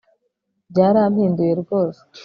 byarampinduye rwose